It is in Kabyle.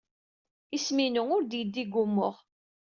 Isem-inu ur d-yeddi deg wumuɣ.